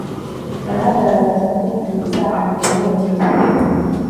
barahagarara baza kumubwiriza ani yabonye